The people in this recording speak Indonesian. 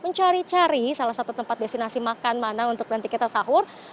mencari cari salah satu tempat destinasi makan mana untuk nanti kita sahur